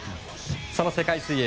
その世界水泳